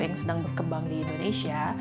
yang sedang berkembang di indonesia